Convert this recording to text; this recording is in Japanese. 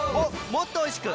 もっとおいしく！